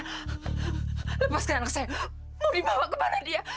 lepaskan anak saya mau dibawa kemana dia